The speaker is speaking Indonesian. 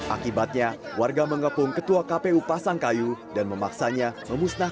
akibatnya warga mengepung ketua kpu pasangkayu dan memaksanya memusnahkan